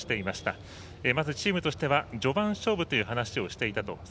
まずチームとしては序盤勝負という話をしていたと。